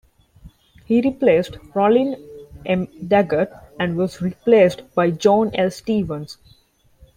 He replaced Rollin M. Daggett, and was replaced by John L. Stevens.